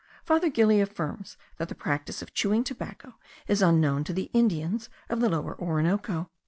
Father Gili affirms that the practice of chewing tobacco is unknown to the Indians of the Lower Orinoco.